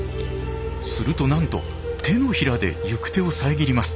するとなんと手のひらで行く手を遮ります。